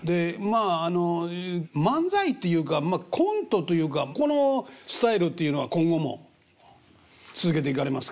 あの漫才っていうかコントというかこのスタイルっていうのは今後も続けていかれますか？